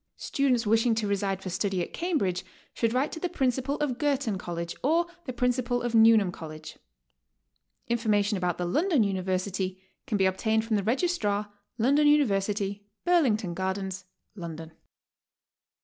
Students wishing to reside for study at Cambridge should write to the Principal of Girton College, or the Principal of Newnham College. Information about the London University can be obtained from the Registrar, Lon don University, Burlington Gardens, London.